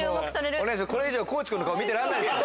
これ以上地君の顔見てらんないです。